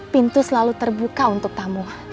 pintu selalu terbuka untuk tamu